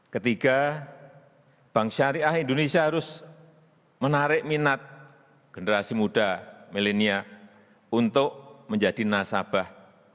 ketiga bank syariah indonesia harus menarik minat generasi muda milenial untuk menjadi nasabah